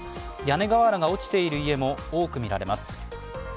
屋根瓦が落ちている家も多く見られます。